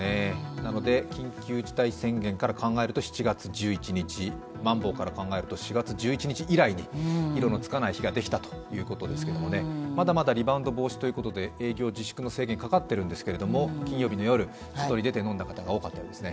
なので緊急事態宣言から考えると７月１１日、まん防から考えると４月１１日以来に色のつかない日ができたということですがまだまだリバウンド防止ということで営業自粛の制限かかってるんですけれども金曜日の夜、外に出て飲んだ方が多かったようですね。